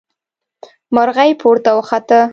مرغۍ پورته وخته.